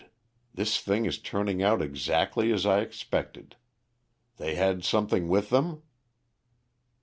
This thing is turning out exactly as I expected. They had something with them?"